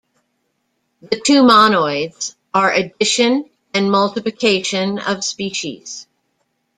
The two monoids are addition and multiplication of species.